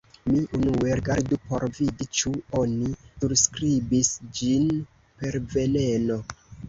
Mi unue rigardu por vidi ĉu oni surskribis ĝin per veneno.